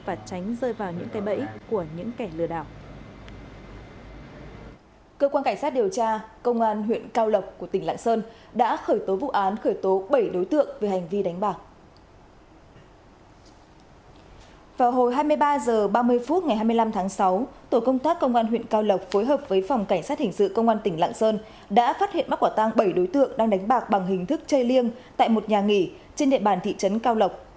vào hồi hai mươi ba h ba mươi phút ngày hai mươi năm tháng sáu tổ công tác công an huyện cao lộc phối hợp với phòng cảnh sát hình sự công an tỉnh lạng sơn đã phát hiện mắc quả tang bảy đối tượng đang đánh bạc bằng hình thức chơi liêng tại một nhà nghỉ trên địa bàn thị trấn cao lộc